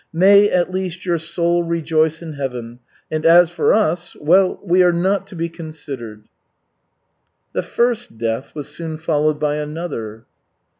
May, at least, your soul rejoice in heaven, and as for us well, we are not to be considered." The first death was soon followed by another.